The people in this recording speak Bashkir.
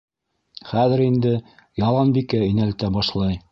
Хәҙер инде Яланбикә инәлтә башлай: